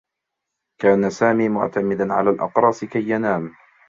كان سامي معتمدا على الأقراص كي ينام.